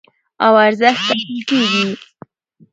او ارزښت ټاکل کېږي.